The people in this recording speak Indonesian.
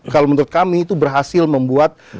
kalau menurut kami itu berhasil membuat